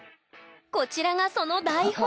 こちらがその台本！